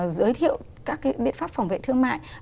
giới thiệu các biện pháp phòng vệ thương mại